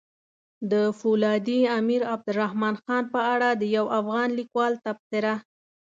د فولادي امير عبدالرحمن خان په اړه د يو افغان ليکوال تبصره!